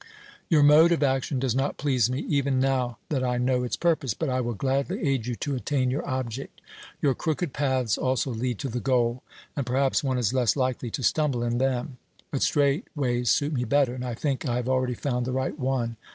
"Your mode of action does not please me, even now that I know its purpose, but I will gladly aid you to attain your object. Your crooked paths also lead to the goal, and perhaps one is less likely to stumble in them; but straight ways suit me better, and I think I have already found the right one.